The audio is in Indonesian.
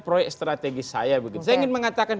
proyek strategis saya begitu saya ingin mengatakan